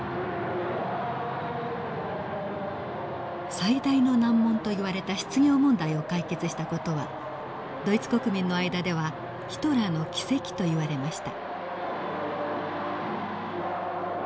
最大の難問といわれた失業問題を解決した事はドイツ国民の間ではヒトラーの奇跡といわれました。